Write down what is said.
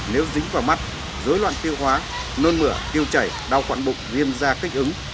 nếu dính vào mắt dối loạn tiêu hóa nôn mửa tiêu chảy đau quản bụng viêm da kích ứng